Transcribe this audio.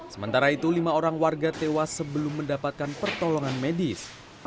sementara itu lima orang warga tewas sebelum mendapatkan pertolongan medis